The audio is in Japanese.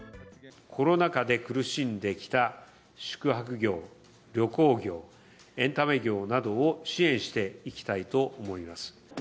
コロナ禍で苦しんできた宿泊業、旅行業、エンタメ業などを、支援していきたいと思います。